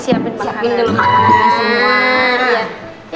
siapin dulu makanan semua